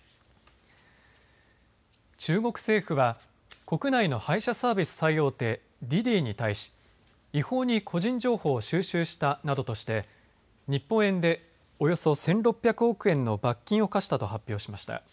中国政府は、国内の配車サービス最大手、滴滴に対し、違法に個人情報を収集したなどとして、日本円でおよそ１６００億円の罰金を科したと発表しました。